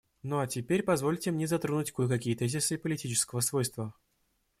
Ну а теперь позвольте мне затронуть кое-какие тезисы политического свойства.